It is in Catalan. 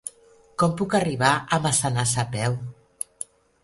Com puc arribar a Massanassa a peu?